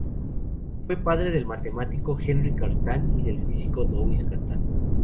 Fue padre del matemático Henri Cartan y del físico Louis Cartan.